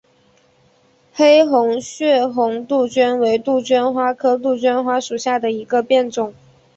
黑红血红杜鹃为杜鹃花科杜鹃花属下的一个变种。